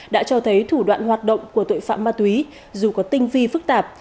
đã cho thấy thủ đoạn hoạt động của tội phạm ma túy dù có tinh vi phức tạp